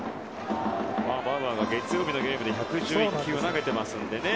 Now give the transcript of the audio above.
バウアーは月曜日のゲームで１１１球を投げてますので。